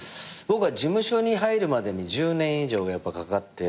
僕は事務所に入るまでに１０年以上やっぱかかって。